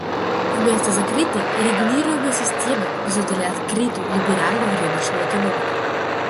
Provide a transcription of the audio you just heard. Вместо закрытой, регулируемой системы мы создали открытую, либеральную рыночную экономику.